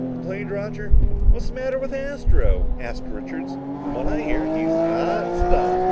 complained Roger. "What's the matter with Astro?" asked Richards. "From what I hear, he's hot stuff!"